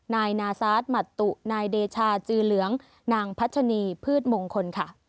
นายนาซาสหมัตตุนายเดชาจือเหลืองนางพัชนีพืชมงคลค่ะ